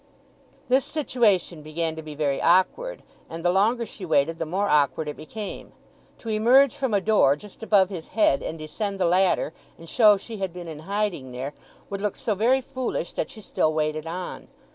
This situation began to be very awkward, and the longer she waited the more awkward it became. To emerge from a door just above his head and descend the ladder, and show she had been in hiding there, would look so very foolish that she still waited on.